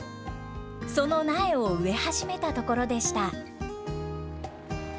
その苗を植え始めたところでした。